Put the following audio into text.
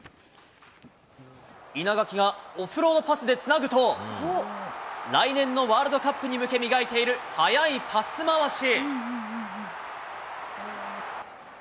稲垣がオフロードパスでつなぐと、来年のワールドカップに向け、磨いている速いパス回し。